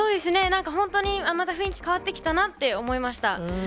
なんか本当に、また雰囲気変わってきたなって思いました。